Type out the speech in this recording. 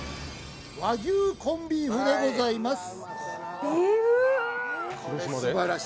和牛コンビーフでございます。